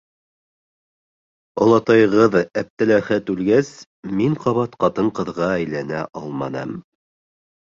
Олатайығыҙ, Әптеләхәт үлгәс, мин ҡабат ҡатын-ҡыҙға әйләнә алманым...